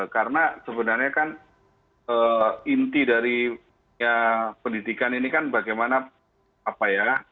karena sebenarnya kan inti dari pendidikan ini kan bagaimana apa ya